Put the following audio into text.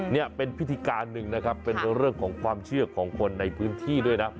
นี่เป็นพิธีการหนึ่งนะครับเป็นเรื่องของความเชื่อของคนในพื้นที่ด้วยนะ